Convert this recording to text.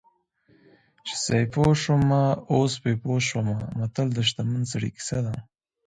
چې سیپو شومه اوس په پوه شومه متل د شتمن سړي کیسه ده